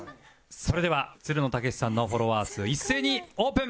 それではつるの剛士さんのフォロワー数一斉にオープン！